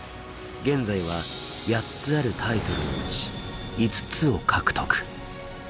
現在は８つあるタイトルのうち５つを獲得。